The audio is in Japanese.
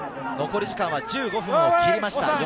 残り時間は１５分を切りました。